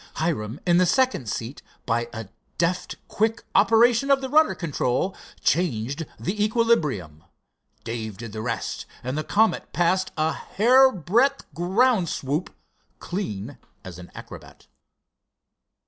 Hiram, in the second seat, by a deft, quick operation of the rudder control, changed the equilibrium. Dave did the rest, and the Comet passed a hair breadth ground swoop clean as an acrobat.